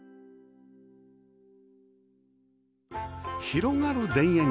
広がる田園